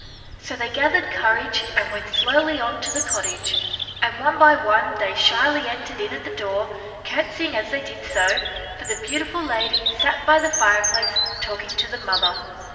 So they gathered courage and went slowly on to the cottage, and one by one they shyly entered in at the door, curtseying as they did so, for the beautiful lady sat by the fireplace talking to the mother.